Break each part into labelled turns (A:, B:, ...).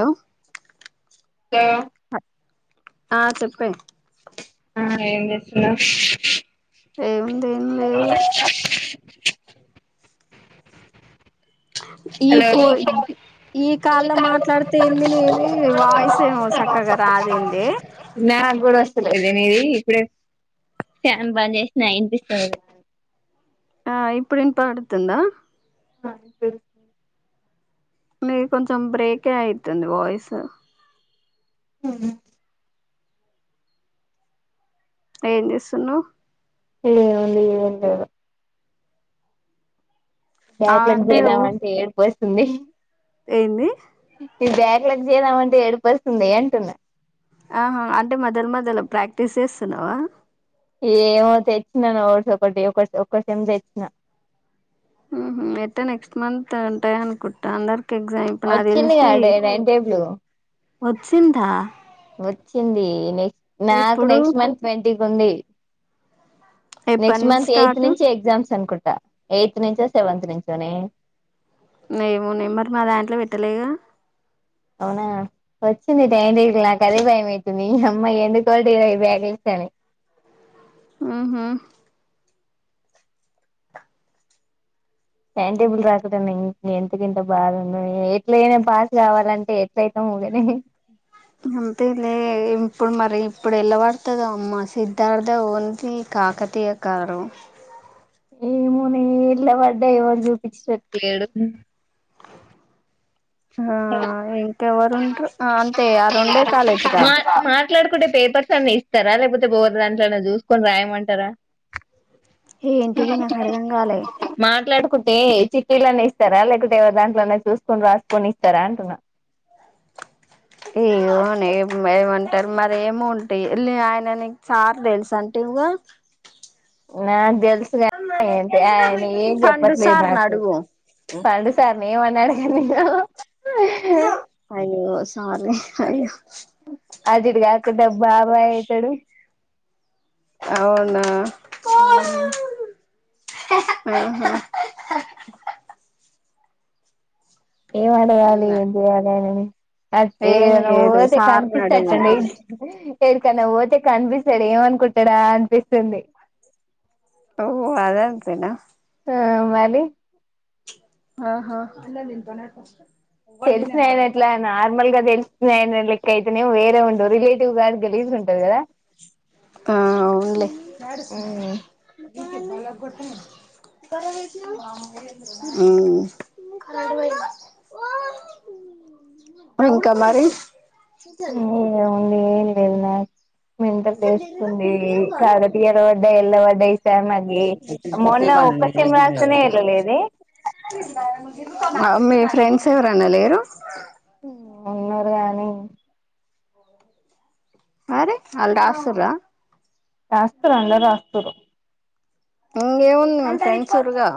A: Hello
B: [unintelligible]
A: ఆ చెప్పే
B: ఆ ఏం చేస్తున్నావ్
A: ఏం అందేం లేదు
B: [inaudible]
A: ఈ
B: హలో
A: ఫో ఈ కాల్లో మాట్లాడితే ఏంది నీది వాయిస్ ఏమో చక్కగా రాదేందే.
B: దే నీది ఇప్పుడే ఫ్యాన్ బంద్ చేసిన ఇనిపిస్తుంది
A: ఆ ఇప్పుడు వినపడుతుందా
B: [inaudible]
A: నిధి కొంచెం బ్రేకే అయితుంది వాయిస్.
B: [inaudible]
A: ఏం చేస్తున్నావ్
B: ఎం ఉంది ఎం లేదు
A: ఆ
B: బ్యాక్లెట్
A: ఊ
B: చేదాం అంటే ఏడుపొస్తు ఉంది
A: ఏంది
B: ఈ బ్యాక్లెట్ చేదామంటే ఏడుపొస్తుంది అంటున్నా.
A: ఆహా అంటే మొదల్ మొదలో ప్రాక్టీస్ చేస్తున్నావా
B: ఏమ తెచ్చినా నోట్స్ ఒకటి ఒక ఒకసమ్ తెచ్చినా
A: ఊహూ ఎటో నెక్స్ట్ మంత్ ఉంటాయి అనుకుటండరు.
B: వచ్చింది గా డై టైన్ టేబులు
A: ఒచ్చిందా
B: వచ్చింది నెక్స్ నాకు
A: ఎప్పుడు
B: నెక్స్ట్ మంత్ వెన్స్ డి కుంది
A: ఎప్పటి
B: నెక్స్ట్
A: నుంచి
B: మంత్ ఎయిత్
A: స్టార్ట్
B: నుంచి ఎగ్జామ్స్ అనుకుం ఎయిత్ నుంచో సెవెంత్ నుంచోనే
A: నే మూ నే మరి మా దాంట్లో పెట్టలేగా
B: అవునా వచ్చింది టైం టేబుల్ నాకు అదే భయమైతుంది దీనమ్మ ఎందుకోల్టీయి బ్యాక్లిప్స్ అని
A: ఆ హా
B: టైం టేబుల్ రాకుడా ఇం ఎందుకు ఇంత బాధ గుండు ఎట్లయినా పాస్ కావాలంటే ఎట్లయితే ఊగేనే
A: అంతేలే ఇప్పుడు మరి ఇప్పుడు వెళ్ళబడుతుంది మ్మ సిద్ధార్థ ఓంది కాకతీయ కారు
B: ఏమో నే ఇళ్ళ పడ్డా ఎవరు చూపించటట్లేడు
A: ఆ ఇంకెవరుంట అంతే ఆ రెండే కాలేజీగా
B: మా మాట్లాడుకుంటే పేపర్స్ అన్ని ఇస్తారా లేకపోతే బో దాంట్లోన్న చూసుకొని రాయమంటారా.
A: ఏంటిది నాకుడగ కాలే
B: చిట్లన్న ఇస్తారా లేకతే ఎవ దాంట్లో అన్నా చూసుకొని రాస్త కొనిస్తారా అంటున్నా
A: ఏను ఏమంటారు మర ఏమ ఉంటే ఆయన నీకు సార్ తెలుస అంటే ఇవకా
B: నా గ తెలుంటి ఆయన ఏం
A: సండు
B: చెప్పట్లేదు
A: సార్ని
B: నాకు
A: అడుగు
B: పండుసార్ని ఏమన్నాడు కానీ నేను
A: సారే అ
B: అజడి కాక్కడ బాబా అవుతాడు
A: అవునా
B: ఏం అడగాాలి
A: ఇంగ
B: ఏం చేయ్యాలి అనని అది
A: ఏం
B: ఏదనా
A: లేదు
B: ఓతే
A: సార్ని అడుగు
B: కనిపిస్తట్టండి ఎకైన్నా ఓతే కనిపిస్త సరే ఏమనుకుంటాడా అనిపిస్తుంది
A: ఓ అదాదనా
B: ఆ మది
A: ఆహా ఎలా దంతోనే
B: తెలిసిన ఆయన ఎట్లా నార్మల్గా తెలుస్తున్నాయి అ లెక్ అయితేనే వేరే ఉండవు రిలేటివ్ గారి గెలిసి ఉంటది కదా
A: ఆ అవునలే భంకా మారి చ చం
B: న్న మంత తీసుంది కాకట్టి ఇర వడ్డా ఎల్ళ వడ్డా ఈసా అది మొన్న ఒక్కసమ్ రాస్తనే వెళ్ళలేదు
A: మీ ఫ్రెండ్స్ ఎవరన్నా లేరు
B: మన్నూర కానీ
A: అరి అల్ ఆసరా
B: రాస్తర అల రాస్తర
A: ఇంగేవుంది మం ఫ్రెండ్స్ వర్గా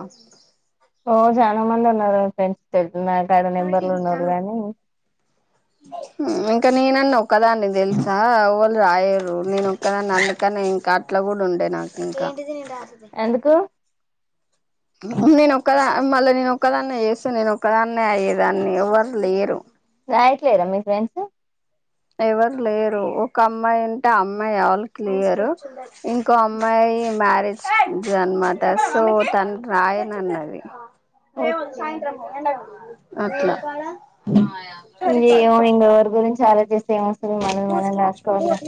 B: ఓ చాలా మంది ఉన్నారు ఫ్రెండ్స్ తెలుసు నా కడ నెంబర్లు ఉండళ్ళ గానీ
A: ఇంకా నేనన్న ఒక్కదాన్ని తెలుసా వాళ్ళు రాయరు నేను ఒక్కదాన్ని అందుకని ఇంకా అట్లా కూడా ఉండే నాకు ఇంకా ది
B: ఎందుకు
A: నేను ఒక్కదా మళ్ళీ నేను ఒక్కదాన్న చేస్తా నేను ఒక్కదాన్న అయ్యేదాన్ని ఎవ్వరు లేరు
B: ఇట్లే రమ్ మీ ఫ్రెండ్స్
A: ఎవరు లేరు ఒక అమ్మాయి ఉంటే అమ్మాయి ఆల్ క్లియరు ఇంకో అమ్మాయి మ్యారేజ్ జన్మాత సో తను రాయన అన్నది రేంది
B: ఓకే
A: సాయంత్రం పో ఎండ అఓక
B: ఏమో ఇంగా ఎవరి గురించి అలో చిస్త స్తే ఎమస్తది మనది మనం రాస్కోవాలి గాని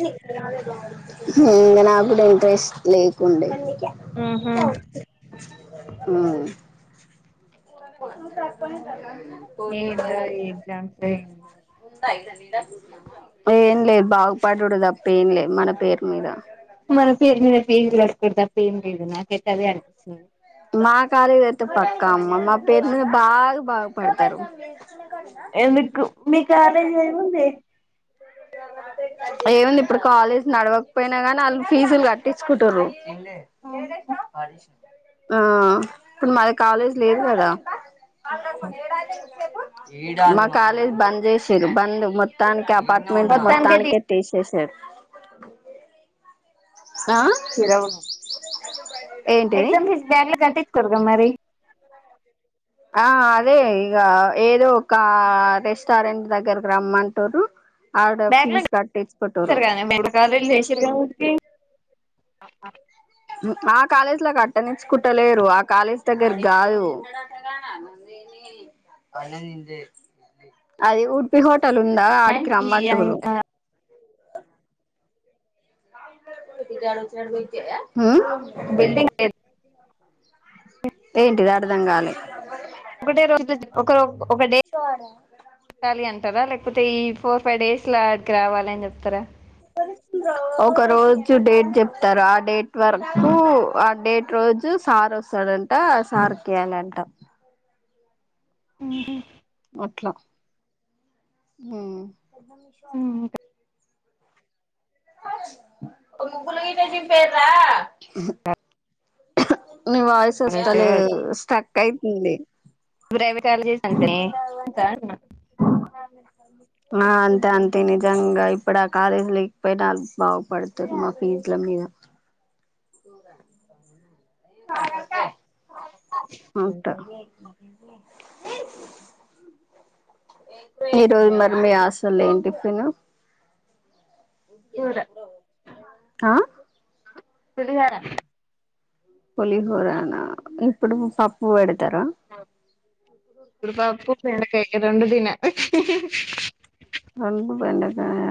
A: ఇంగా నాకూడ ఇంట్రెస్ట్ లేకుండే
B: ఆహా
A: హా తప్ప
B: ఏందో ఈ ఎగ్జామ్స్ ఏందో
A: ఏం లేదు బాగుపడుడు తప్ప ఏం లేదు మన పేరు మీద.
B: ఒకటి తప్ప ఏం లేదు నాకైతే అదే అనిపిస్తుంది.
A: మా కాలేజీ అయితే పక్కా అమ్మ మా పేరు మీ బాగా బాగుపడతరు.
B: ఎందుకు మీ కాలేజ్ల ఎంఉందే.
A: ఏముంది ఇప్పుడు కాలేజ్ నడవకపోయినా కానీ ఆల్లు ఫీజులు కట్టించుకుంటుర్రు. ఇేరి ఆ ఇప్పుడు మాది కాలేజ్ లేదు కదా. అ మా కాలేజ్ బంద్ చేశిర్రు బంద్ మొత్తానికే అ పార్ట్మెంట్ మొత్తానికే తీసి సేసారు. ఆ
B: తిరవు
A: అ బయ
B: ఎగ్జామ్ ఫీస్ బ్యాక్లాగ్లకు కట్టిం స్తరు కదా మరి.
A: ఆ అదే ఇగా ఏదో ఒక రెస్టారెంట్ దగ్గరకి రమ్మంటుర్రు ఆడ
B: బ్యాక్లాగ్
A: ఫీజు కట్టించుకుంటుర్రు
B: చేస్తారు కదనే [inaudible] కాలేజీలో ఏసిర్రు కాబట్టి [inaudible]
A: హ్ ఆ కాలేజీల కట్టనిచ్చుకుంటలేరు ఆ కాలేజీ దగ్గరకు కాదు అది ఉడిపి హో టల్ ఉందా ఆడికి
B: అండ్ ఈ
A: రమ్మంటుర్రు. చడు వ చినడ గుయితే [unintelligible] హ్
B: బిల్డింగ్
A: ఏంటిది అర్థం కాలే.
B: ఒకటే రోజుల ఒక్కరు ఒక డే కట్టాలి అని అంటరా లేకపోతే ఈ ఫోర్ ఫైవ్ డేస్ లా అడికి రావాలని చెప్తరా.
A: ఒక రోజు డేట్ చెప్తరు. ఆ డేట్ వరకు ఆ డేట్ రోజు సార్ వస్తాడంట, సార్ కియాలి అంట.
B: హుహ్
A: అట్లా [inaudible] ముగ్గులు గిట్ల జింపేర్రా నీ వాయిస్ వస్తలేదు స్టక్ అయితుంది
B: బ్రైవె
A: ఆ అంతే అంతే నిజంగా ఇప్పుడు కాలేజ్ లేకపోయినా ఆళ్ళు బాగుపడుతరు మా ఫీజ్ల మీద ఏ మా అంటా ఈ రోజు మరి మీ ఆస్ స్టల్లో ఏం టిఫెను ఆ
B: పులిహోర
A: పోలీ హోరనా ఇప్పుడు పప్పు పెడు
B: ఇప్పుడు పప్పు బెండగాయ్ రెండు దిన
A: రెండు బెండకాయ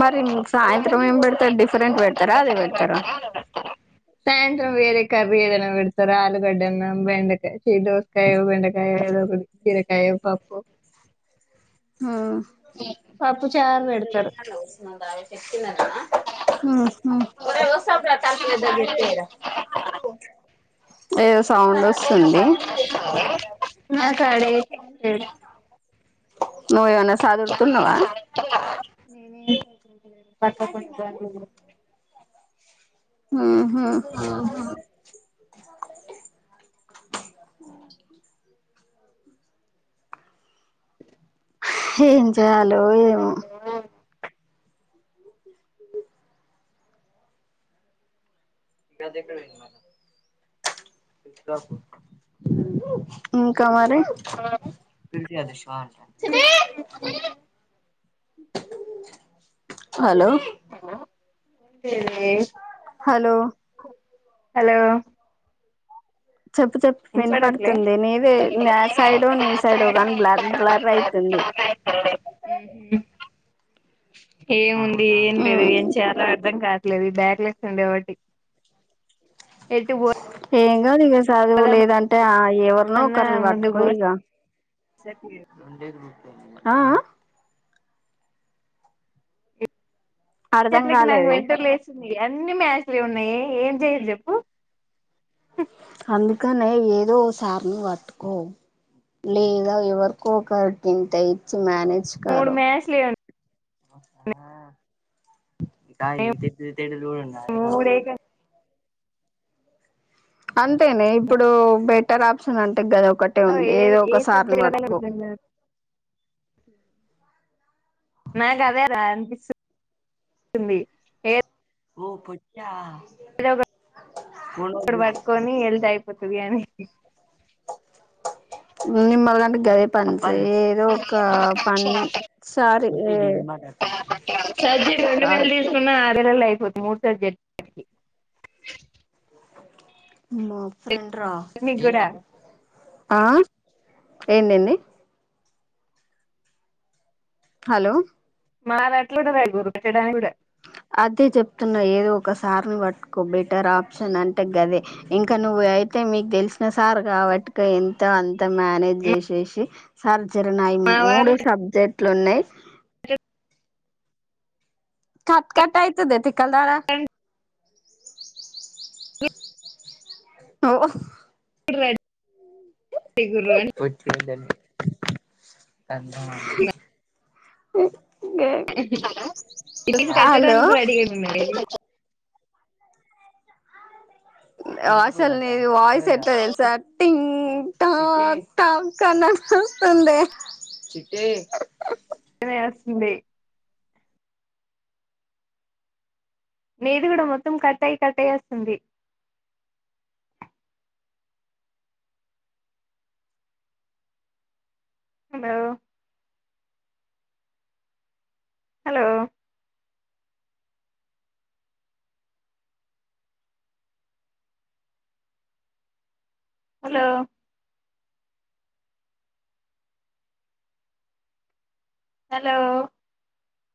A: మరి సాయంత్రం ఏం బెడతారు డిఫరెంట్ బెడతారా అదే బెడతారా
B: సాయంత్రం వేరే కర్రీ ఏదైనా బెడుతారు ఆలు గడ్డ అన్నా బెండకాయ దోసకాయో బెండకాయ ఏదో ఒకటి బీరకాయో పప్పు పప్పు చారు పెడతారు
A: ఆ ఆహ ఏ
B: మాకాడే
A: నువ్వు ఏదన్న సదురుతున్నావా
B: నేనే పక్క పక్క దాంట్లో బో
A: ఆ ఆ హేం జేయాలో ఏమో [unintelligible] ఉం కా మారె హలో
B: ఏందే ఇది
A: హలో
B: హలో
A: చెప్పు చెప్పు
B: ఇన్పడట్లే
A: వినపడుతుంది నీది నా సైడో నీ సైడో కాని బ్లర్ బ్లర్ అయితుంది.
B: మ్మ్ ఏముంది ఏం లేదు
A: ఉమ్
B: ఏం చేయాలో అర్ధం కా లేదు ఈ బ్యాక్ లెక్స్ ఉండబట్టి ఎటుబో
A: ఏంగాదిగ చదువు లేదంటే ఆ ఎవరినో ఒకరిని
B: ముందు
A: పట్టుకో ఇగ
B: పోసట్లేదు
A: ఆ అ అర్ధం
B: చెట్లకి నాకు
A: కాలేదే
B: మెంటల్ లేసింది. ఇగ అన్ని మ్యాస్టరె ఉన్నాయే ఏం చేయన్ చెప్పు
A: అందుకనే ఏదో ఒగ సార్ ని పట్టుకో లేదా ఎవరికో ఒకటింత ఇచ్చ మ్యానేజ్
B: మూడు
A: కరో
B: మ్యాచ్లే ఉన్నాయి
A: కాయ తడలుడన్నా
B: మూడు ఏకంగా
A: అంతేనే ఇప్పుడు బెటర్ ఆప్షన్ అంటే గదా ఒకటే ఉంది
B: ఏ
A: ఏదో
B: ఏ
A: ఒక సార్ని పట్టుకో
B: సబ్జెక్ట్ నాకదే రా అనిపిస్ ది హే
A: ఓ పొచ్చా
B: రబ బట్కొని ఎల్దు అయిపోతది అని ఇ
A: మీ మళ్ళంటే గయే పన్ ఏదో ఒక పన్నీ సారి ఆ
B: సజీ రొండువేలు తీసుకున్నా మే నెల్లో అయిపోద్ది మూడు సబ్జెక్టలికి
A: మ ఫ్రెండ్ రా
B: నీకు కూడా
A: ఆ ఏంటండి హలో
B: మారాటలో ర [unintelligible]
A: అదే చెప్తున్నా ఏదో ఒకసారిని పట్టుకో బెటర్ ఆప్షన్ అంటే గదే ఇంకా నువ్వు అయితే మీకు తెలిసిన సార్ కాబట్టుక ఇంతో అంతో మేనేజ్ చేసేసి సర్ద్ చరణాయము
B: మా
A: మూడు
B: వాళ్ళు
A: సబ్జెక్ ట్లు ఉన్నాయి
B: [unintelligible]
A: కట్ కట్ అయితదే తిక్కల్దన అవు
B: ప్పుడ్ రే
A: వచ్చండి అన్ని అన్నం
B: [unintelligible]
A: హలో
B: కట్టడంనికి రెడీ
A: వాసల్నిది వాయిస్ ఎట్ట తెలుసా టింగ్ టా టన్నస్తుంద
B: ఆ స్తుంది నేది కూడాడ మొత్తం కట్ అయి కట్ట అయి వస్తుంది హలో హలో హలో హలో